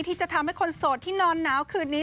ที่จะทำให้คนโสดที่นอนหนาวคืนนี้